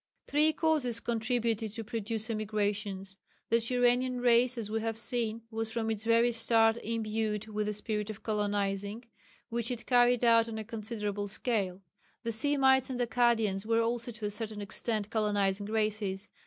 _ Three causes contributed to produce emigrations. The Turanian race, as we have seen, was from its very start imbued with the spirit of colonizing, which it carried out on a considerable scale. The Semites and Akkadians were also to a certain extent colonizing races.